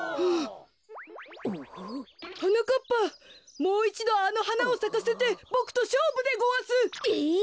はなかっぱもういちどあのはなをさかせてボクとしょうぶでごわす。え！？